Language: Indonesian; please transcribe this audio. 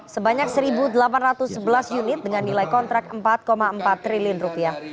sebanyak satu delapan ratus sebelas unit dengan nilai kontrak empat empat triliun rupiah